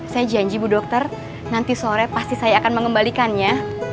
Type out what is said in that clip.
saya janji bu dokter nanti sore pasti saya akan mengembalikannya